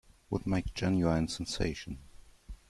Would make genuine sensation.